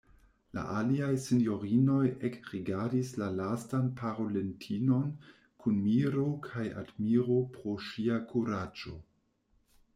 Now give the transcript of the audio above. La aliaj sinjorinoj ekrigardis la lastan parolintinon kun miro kaj admiro pro ŝia kuraĝo.